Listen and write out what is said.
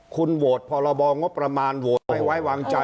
คุณโบทพรบงบประมาณโบทไว้วางใจ